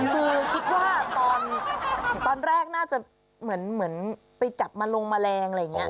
คือคิดว่าตอนแรกน่าจะเหมือนไปจับมาลงแมลงอะไรอย่างนี้